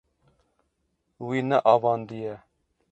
Wî neavandiye.